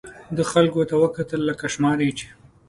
ده خلکو ته وکتل، لکه شماري یې چې.